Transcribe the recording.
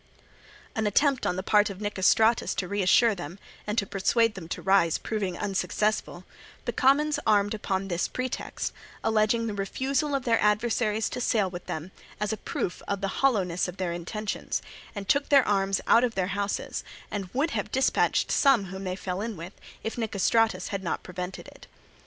An attempt on the part of Nicostratus to reassure them and to persuade them to rise proving unsuccessful, the commons armed upon this pretext, alleging the refusal of their adversaries to sail with them as a proof of the hollowness of their intentions, and took their arms out of their houses, and would have dispatched some whom they fell in with, if Nicostratus had not prevented it.